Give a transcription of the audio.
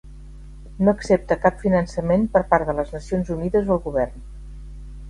No accepta cap finançament per part de les Nacions Unides o el govern.